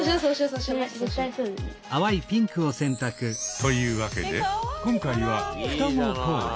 というわけで今回は双子コーデ！